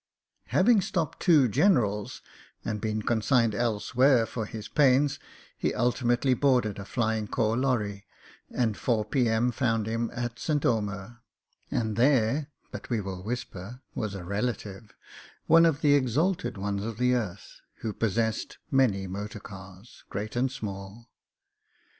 Having stopped two generals and been consigned 32 MEN, WOMEN AND GUNS elsewhere for his paitis, he ultimately boarded a flying corps lorry, and 4 p.m. fotmd him at St. Omer. And there — ^but we will whisper — ^was a relative — one of the exalted ones of the earth, who possessed many motor cars, great and small.